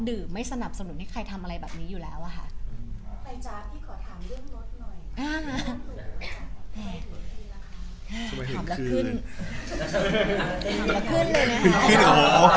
ไม่สนับสนุนให้ใครทำอะไรแบบนี้อยู่แล้วอะค่ะ